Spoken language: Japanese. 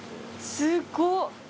すごっ！